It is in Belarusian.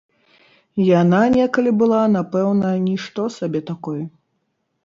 Яна некалі была напэўна нішто сабе такой.